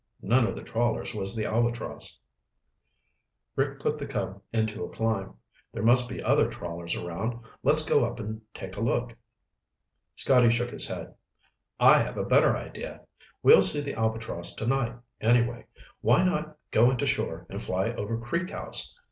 None of the trawlers was the Albatross. Rick put the Cub into a climb. "There must be other trawlers around. Let's go up and take a look." Scotty shook his head. "I have a better idea. We'll see the Albatross tonight, anyway. Why not go into shore and fly over Creek House?